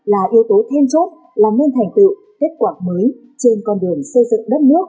là yếu tố thêm chốt làm nên thành tựu kết quả mới trên con đường xây dựng đất nước việt nam hùng cường